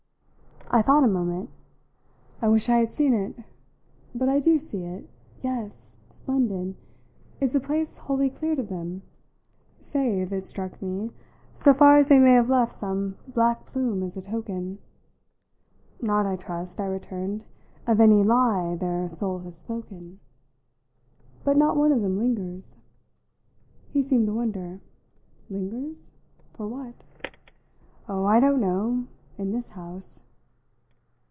I thought a moment. "I wish I had seen it. But I do see it. Yes splendid. Is the place wholly cleared of them?" "Save, it struck me, so far as they may have left some 'black plume as a token' " "Not, I trust," I returned, "of any 'lie' their 'soul hath spoken!' But not one of them lingers?" He seemed to wonder. "'Lingers?' For what?" "Oh, I don't know in this house!"